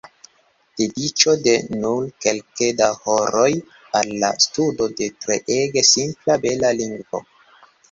Dediĉo de nur kelke da horoj al la studo de treege simpla, bela lingvo.